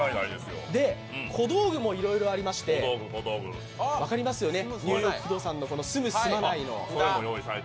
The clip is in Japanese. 小道具もいろいろありまして、分かりますよね、ニューヨーク不動産の住む住まないの。